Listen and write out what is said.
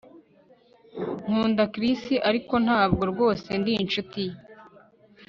Nkunda Chris ariko ntabwo rwose ndi inshuti ye